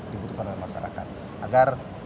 dibutuhkan oleh masyarakat agar